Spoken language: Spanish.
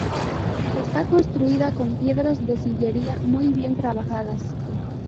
Está construida con piedras de sillería muy bien trabajadas.